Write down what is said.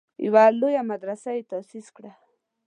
یوه لویه مدرسه یې تاسیس کړه.